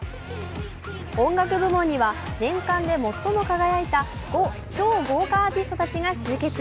音楽部門には、年間で最も輝いた超豪華アーティストたちが集結。